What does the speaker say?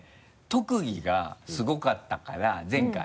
特技がすごかったから前回。